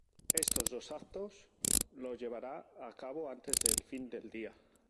Estos dos actos los llevará a cabo antes del fin del día.